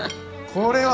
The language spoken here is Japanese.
これは！